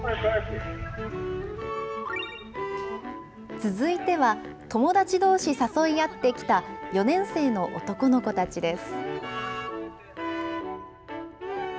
続いては、友達どうし誘い合ってきた４年生の男の子たちです。